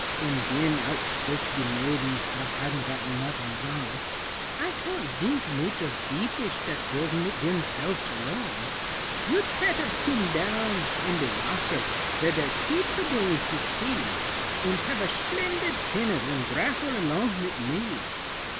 Und den outshpoke de maiden Vot hadn't got nodings on: "I ton't dink mooch of beoplesh Dat goes mit demselfs alone. "You'd petter coom down in de wasser, Vere dere's heaps of dings to see, Und have a shplendid tinner Und drafel along mit me.